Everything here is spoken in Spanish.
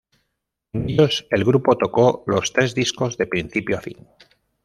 En ellos, el grupo tocó los tres discos de principio a fin.